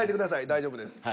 大丈夫です。